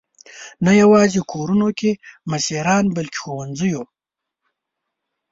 نه یواځې کورونو کې مشران، بلکې ښوونځیو.